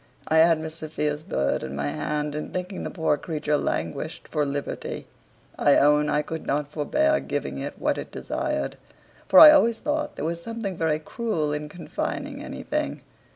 I had Miss Sophia's bird in my hand, and thinking the poor creature languished for liberty, I own I could not forbear giving it what it desired; for I always thought there was something very cruel in confining anything.